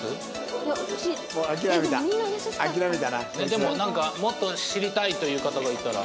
でもなんかもっと知りたいという方がいたら。